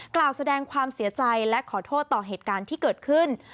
กล่าวแสดงความเสียใจและขอโทษต่อเหตุการณ์ที่เกิดขึ้น